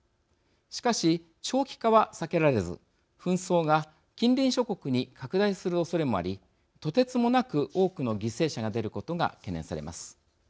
しかし、長期化は避けられず紛争が近隣諸国に拡大するおそれもありとてつもなく多くの犠牲者が出ることが懸念されます。